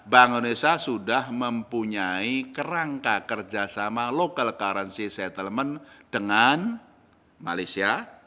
bank indonesia sudah mempunyai kerangka kerjasama local currency settlement dengan malaysia